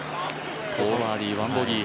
４バーディー、１ボギー。